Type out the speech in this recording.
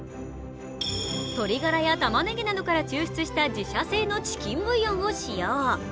鶏ガラやたまねぎなどから抽出した自家製のチキンブイヨンを使用。